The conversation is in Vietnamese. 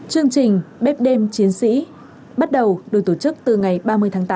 chương trình bếp đêm chiến sĩ bắt đầu được tổ chức từ ngày ba mươi tháng tám